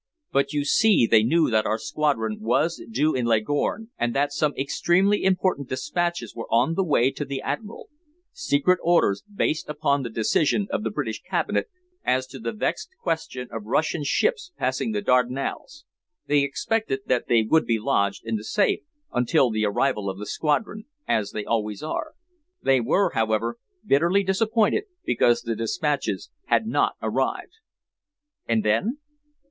But you see they knew that our squadron was due in Leghorn, and that some extremely important despatches were on the way to the Admiral secret orders based upon the decision of the British Cabinet as to the vexed question of Russian ships passing the Dardanelles they expected that they would be lodged in the safe until the arrival of the squadron, as they always are. They were, however, bitterly disappointed because the despatches had not arrived." "And then?"